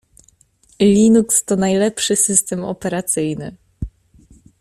Linux to najlepszy system operacyjny.